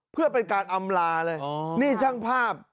เพื่อเป็นการอำลาเลยนี่ช่างภาพ